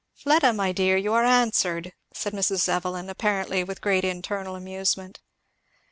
"Fleda, my dear, you are answered!" said Mrs. Evelyn, apparently with great internal amusement.